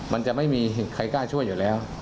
มันจะไม่มีใครกล้าช่วยอยู่แล้ว